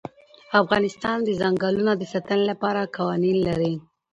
افغانستان د ځنګلونه د ساتنې لپاره قوانین لري.